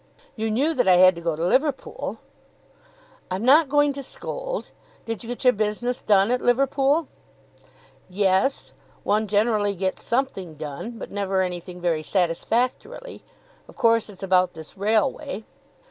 "You knew that I had to go to Liverpool." "I'm not going to scold. Did you get your business done at Liverpool?" "Yes; one generally gets something done, but never anything very satisfactorily. Of course it's about this railway."